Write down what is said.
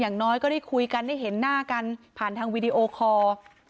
อย่างน้อยก็ได้คุยกันได้เห็นหน้ากันผ่านทางวีดีโอคอร์